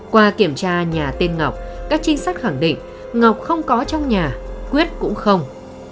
qua kiểm tra nhà tên ngọc các trinh sát khẳng định ngọc không có trong nhà quyết cũng không